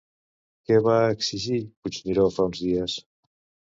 Què va exigir Puigneró fa uns dies?